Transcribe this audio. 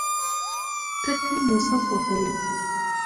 ته کوم موسم خوښوې؟